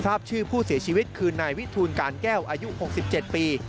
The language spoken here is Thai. ทราบชื่อผู้เสียชีวิตคือนายวิทูลการแก้วอายุ๖๗ปี